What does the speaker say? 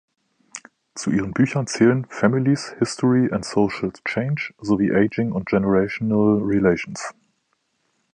Zu ihren Büchern zählen „Families, History and Social Change“ sowie „Aging and Generational Relations“.